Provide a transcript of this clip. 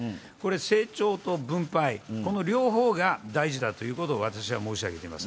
成長と分配、この両方が大事だということを私は申し上げています。